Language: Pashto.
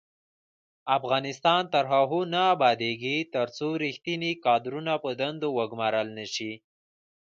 افغانستان تر هغو نه ابادیږي، ترڅو ریښتیني کادرونه په دندو وګمارل نشي.